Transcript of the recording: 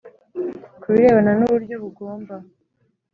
Ku birebana n uburyo bugomba